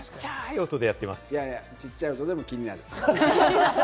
ちっちゃい音でも気になる。